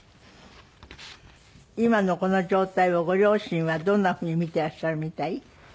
今のこの状態をご両親はどんな風に見てらっしゃるみたい？